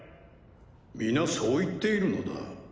皆そう言っているのだ。